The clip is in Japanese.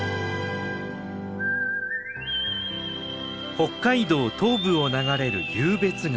北海道東部を流れる湧別川。